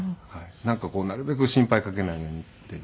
なんかこうなるべく心配かけないようにっていう。